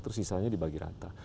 tersisanya dibagi rata